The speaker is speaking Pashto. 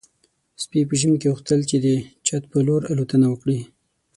سپي په ژمي کې غوښتل چې د چت په لور الوتنه وکړي.